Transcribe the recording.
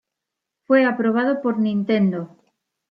Fue aprobado por Nintendo.